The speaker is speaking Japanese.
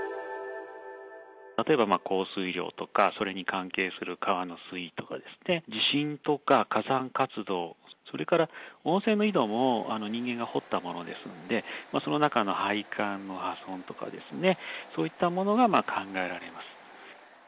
例えば降水量とか、それに関係する川の水位とか、地震とか火山活動、それから温泉の井戸も人間が掘ったものですので、その中の配管の破損とかですね、そういったものが考えられます。